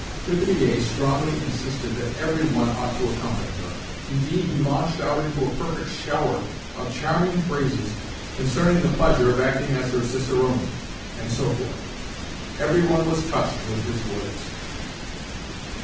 De Griers strongly insisted that every one ought to accompany her. Indeed, he launched out into a perfect shower of charming phrases concerning the pleasure of acting as her cicerone, and so forth. Every one was touched with his words.